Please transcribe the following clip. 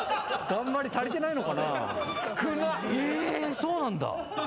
そうなんだ。